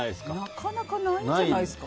なかなかないんじゃないですか？